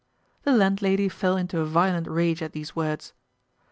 The landlady fell into a violent rage at these words.